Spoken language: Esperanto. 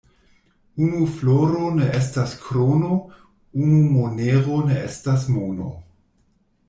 Unu floro ne estas krono, unu monero ne estas mono.